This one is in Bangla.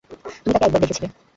তুমি তাকে একবার দেখেছিলে।